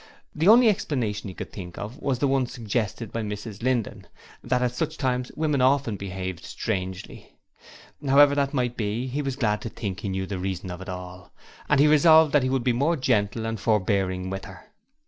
The only explanation he could think of was the one suggested by Mrs Linden that at such times women often behaved strangely. However that might be, he was glad to think he knew the reason of it all, and he resolved that he would be more gentle and forebearing with her.